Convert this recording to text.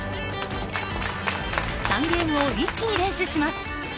３ゲームを一気に連取します。